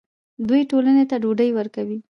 دوی ټولنې ته ډوډۍ ورکوي.